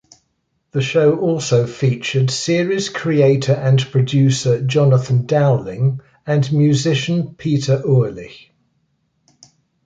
The show also featured series creator and producer Jonathan Dowling and musician Peter Urlich.